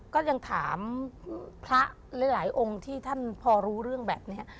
ก็ยังถามพระหลายองค์ที่ท่านพอรู้เรื่องแบบนี้